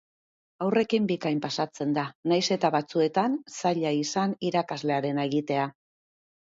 Haurrekin bikain pasatzen da, nahiz eta batzuetan zaila izan irakaslearena egitea!